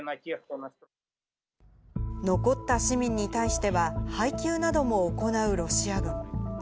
残った市民に対しては、配給なども行うロシア軍。